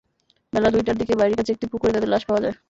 বেলা দুইটার দিকে বাড়ির কাছের একটি পুকুরে তাদের লাশ পাওয়া যায়।